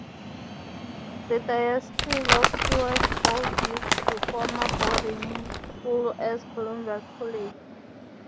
The Diocese of Sioux Falls used the former boarding school as Columbus College.